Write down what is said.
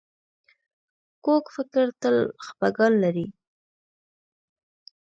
کوږ فکر تل خپګان لري